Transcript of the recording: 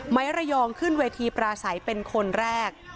ระยองขึ้นเวทีปราศัยเป็นคนแรก